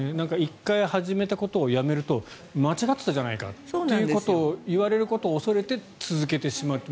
１回始めたことをやめると間違ってたじゃないかということを言われることを恐れて続けてしまう。